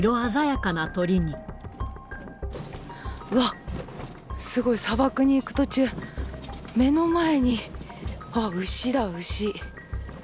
わっ、すごい、砂漠に行く途中、目の前に、あっ、牛だ、牛。